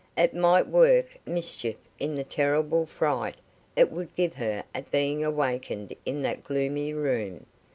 It might work mischief in the terrible fright it would give her at being awakened in that gloomy room.